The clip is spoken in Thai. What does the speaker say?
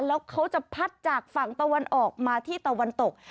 แล้วเขาจะพัดจากฝั่งตะวันออกมาที่ตะวันตก